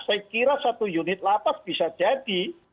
saya kira satu unit lapas bisa jadi